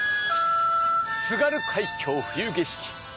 『津軽海峡冬景色』。